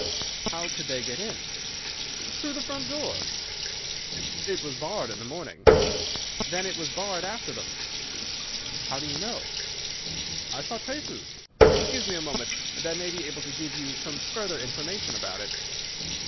"How could they get in?" "Through the front door." "It was barred in the morning." "Then it was barred after them." "How do you know?" "I saw their traces. Excuse me a moment, and I may be able to give you some further information about it."